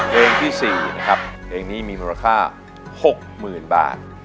เพลงที่๔มูลค่า๖๐๐๐๐บาท